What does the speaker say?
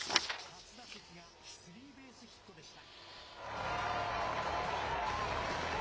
初打席がスリーベースヒットでした。